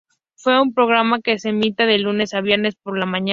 Fue un programa que se emitía de lunes a viernes por la mañana.